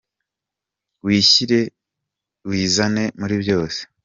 Wishyire wizane muri byose